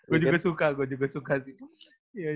gua juga suka gua juga suka sih